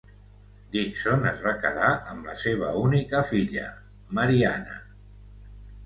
Dixon es va quedar amb la seva única filla, Marianna.